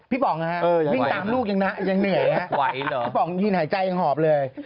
พี่ป๋องนะฮะวิ่งตามลูกยังเหนื่อยนะฮะพี่ป๋องยินหายใจยังหอบเลย